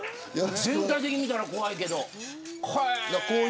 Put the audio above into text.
全体的に見たら怖いけど。